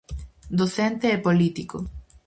Docente e político.